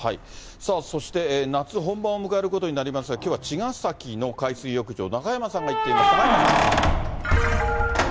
そして夏本番を迎えることになりますが、きょうは茅ヶ崎の海水浴場、中山さんが行っています、中山さん。